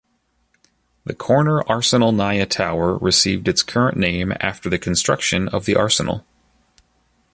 The Corner Arsenalnaya Tower received its current name after the construction of the Arsenal.